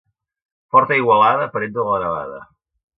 Forta aigualada, parenta de la nevada.